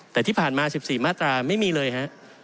แต่ที่ผ่านมา๑๔มาตราไม่มีเลยฮะ